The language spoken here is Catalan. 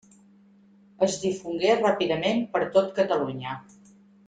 Es difongué ràpidament per tot Catalunya.